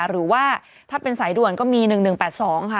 หรือว่าถ้าเป็นสายด่วนก็มี๑๑๘๒ค่ะ